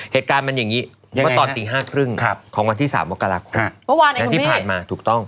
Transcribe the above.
เหตุการณ์มันอย่างนี้ตอนตี๕๓๐ของวันที่๓วันกราคมนั้นที่ผ่านมา